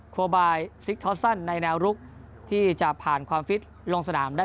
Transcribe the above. โคบายซิกทอสซันในแนวรุกที่จะผ่านความฟิตลงสนามได้